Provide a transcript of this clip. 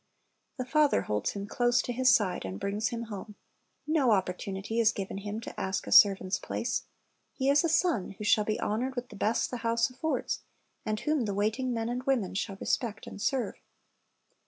The father holds him close to his side, and brings him home. No opportunity is given him to ask a servant's place. He Is a son, who shall be honored with the best the house affords, and whom the waiting men and women shall respect and serve.